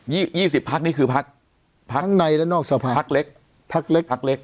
ยี่สิบพักนี่คือพักพักในและนอกสภาพักเล็กพักเล็กพักเล็ก